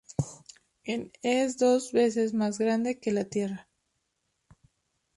En es dos veces más grande que la Tierra.